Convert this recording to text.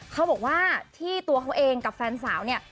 เขาบอกว่าที่ตัวเขาเองกับแฟนสาวเนี่ย